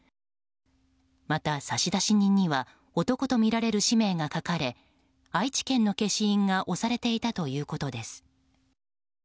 また、差出人には男とみられる氏名が書かれ愛知県の消印が押されていたということです。